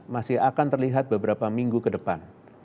masih akan terlihat beberapa minggu ke depan